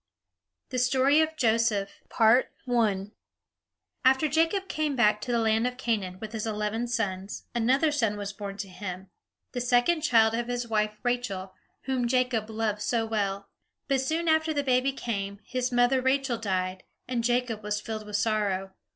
THE STORY OF JOSEPH AND HIS COAT OF MANY COLORS After Jacob came back to the land of Canaan with his eleven sons, another son was born to him, the second child of his wife Rachel, whom Jacob loved so well. But soon after the baby came, his mother Rachel died, and Jacob was filled with sorrow.